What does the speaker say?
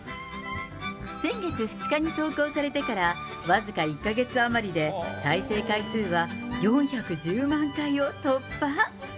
先月２日に投稿されてから僅か１か月余りで、再生回数は４１０万回を突破。